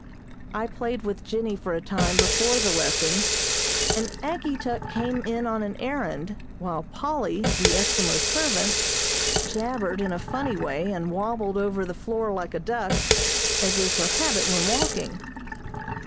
I played with Jennie for a time before the lesson, and Ageetuk came in on an errand, while Polly, the Eskimo servant, jabbered in a funny way and wabbled over the floor like a duck, as is her habit when walking.